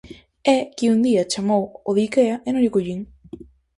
É que un día chamou o de Ikea e non lle collín.